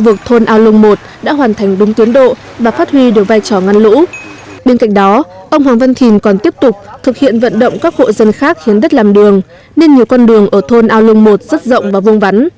vận động các hộ dân khác khiến đất làm đường nên nhiều con đường ở thôn ao lương một rất rộng và vông vắn